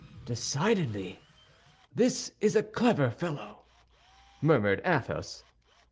"Decidedly, this is a clever fellow," murmured Athos.